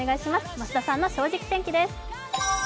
増田さんの「正直天気」です。